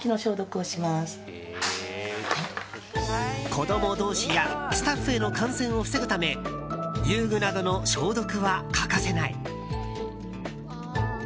子供同士やスタッフへの感染を防ぐため遊具などの消毒は欠かせない。